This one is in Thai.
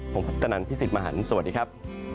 ผมพัฒนันพิสิทธิ์มหาลสวัสดีครับ